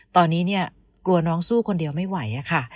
ตอนนี้เนี่ยกลัวน้องสู้คนเดียวไม่ไหวค่ะ